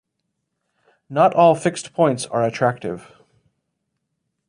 Not all fixed points are attractive.